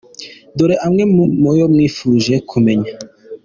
Dore amwe muu yo mwifuje kumenya.